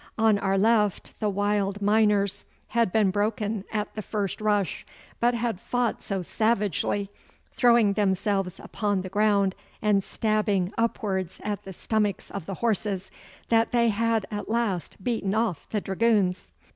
On our left the wild miners had been broken at the first rush, but had fought so savagely, throwing themselves upon the ground and stabbing upwards at the stomachs of the horses, that they had at last beaten off the dragoons.